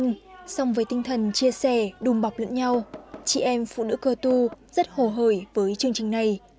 nhưng song với tinh thần chia sẻ đùm bọc lẫn nhau chị em phụ nữ cơ tu rất hồ hời với chương trình này